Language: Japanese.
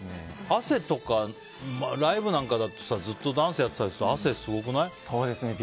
汗とかライブなんかだとずっとダンスやってたりすると汗、すごくない？